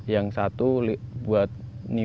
yang satu buat niup